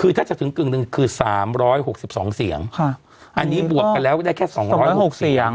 คือถ้าจะถึงกึ่งหนึ่งคือ๓๖๒เสียงอันนี้บวกกันแล้วได้แค่๒๐๖เสียง